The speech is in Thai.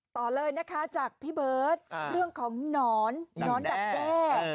ต่อเลยนะคะจากพี่เบิร์ตเรื่องของหนอนหนอนดักแด้